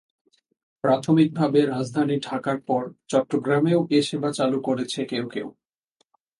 প্রাথমিকভাবে রাজধানী ঢাকার পর চট্টগ্রামেও এ সেবা চালু করেছে কেউ কেউ।